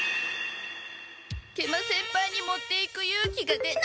食満先輩に持っていくゆうきが出ない！